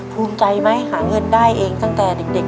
ภูมิใจไหมหาเงินได้เองตั้งแต่เด็ก